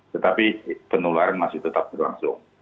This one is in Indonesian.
tetapi penularan masih tetap berlangsung